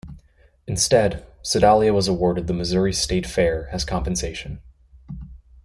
Instead, Sedalia was awarded the Missouri State Fair as compensation.